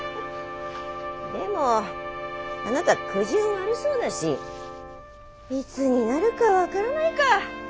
でもあなたくじ運悪そうだしいつになるか分からないか。